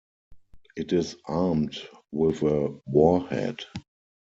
It is armed with a warhead.